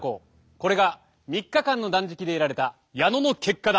これが３日間の断食で得られた矢野の結果だ。